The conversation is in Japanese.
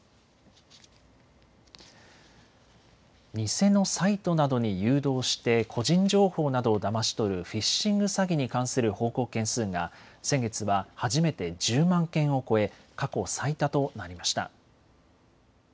偽のサイトなどに誘導して個人情報などをだまし取るフィッシング詐欺に関する報告件数が先月は初めて１０万件を超え、過去最多となりました。